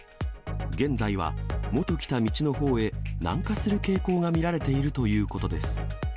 現在は元来た道のほうへ、南下する傾向が見られているということです。